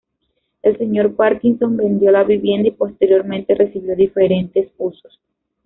El Señor Parkinson vendió la vivienda y posteriormente recibió diferentes usos.